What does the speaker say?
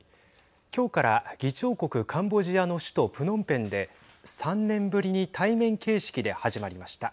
今日から議長国カンボジアの首都プノンペンで３年ぶりに対面形式で始まりました。